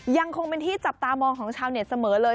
ยังคงเป็นที่จับตามองของชาวเน็ตเสมอเลย